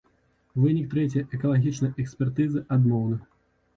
Вынік трэцяй экалагічнай экспертызы адмоўны.